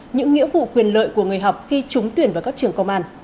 những nghĩa vụ quyền lợi của người học khi trúng tuyển vào các trường công an